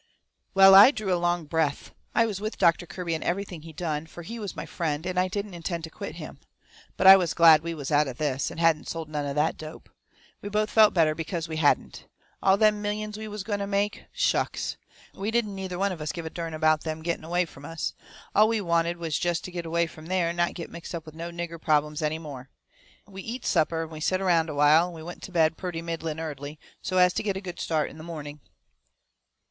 Well, I drew a long breath. I was with Doctor Kirby in everything he done, fur he was my friend, and I didn't intend to quit him. But I was glad we was out of this, and hadn't sold none of that dope. We both felt better because we hadn't. All them millions we was going to make shucks! We didn't neither one of us give a dern about them getting away from us. All we wanted was jest to get away from there and not get mixed up with no nigger problems any more. We eat supper, and we set around a while, and we went to bed purty middling early, so as to get a good start in the morning.